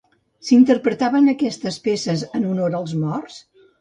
S'interpretaven aquestes peces en honor als morts?